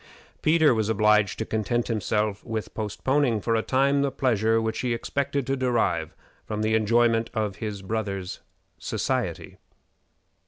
Peter was obliged to content himself with postponing for a time the pleasure which he expected to derive from the enjoyment of his brother's society.